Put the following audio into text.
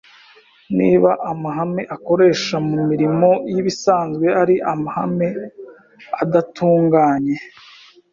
Niba amahame akoresha mu mirimo y’ibisanzwe ari amahame adatunganye,